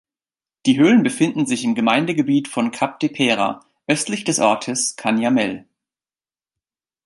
Die Höhlen befinden sich im Gemeindegebiet von Capdepera östlich des Ortes Canyamel.